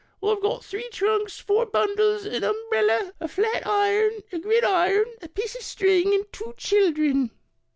"I've got three trunks, four bundles, an umbrella, a flat iron, a gridiron, a piece of string, and two children."